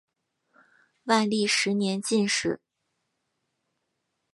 万历十年进士。